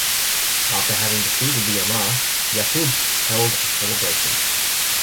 After having defeated the Ammar, Ya'qub held a celebration.